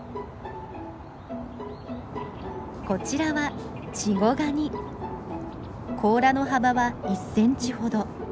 こちらは甲羅の幅は１センチほど。